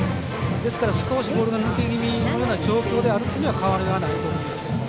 ですから、少しボールが抜け気味のような状況であるというのは変わらないと思うんですけど。